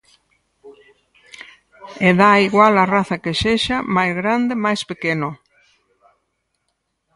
E dá igual a raza, que sexa máis grande, máis pequeno...